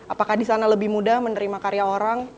apakah di sana lebih mudah menerima karya orang